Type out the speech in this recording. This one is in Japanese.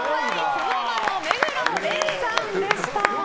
ＳｎｏｗＭａｎの目黒蓮さんでした。